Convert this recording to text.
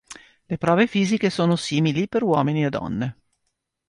Le prove fisiche sono simili, per uomini e donne.